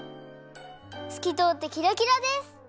すきとおってキラキラです！